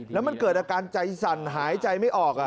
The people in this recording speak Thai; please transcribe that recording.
แล้วมันเกิดอาการใจสั่นหายใจไม่ออก